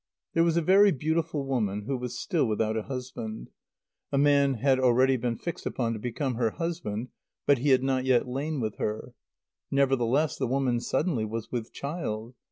_ There was a very beautiful woman, who was still without a husband. A man had already been fixed upon to become her husband, but he had not yet lain with her. Nevertheless the woman suddenly was with child.